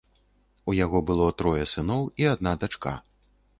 У яго было трое сыноў і адна дачка.